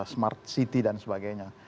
smart city dan sebagainya